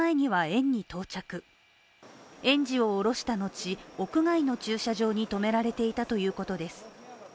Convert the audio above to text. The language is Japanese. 園児を降ろした後、屋外の駐車場に止められていたということです。